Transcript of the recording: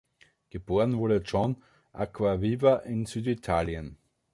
Geboren wurde John Acquaviva in Süditalien.